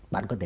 bạn có thể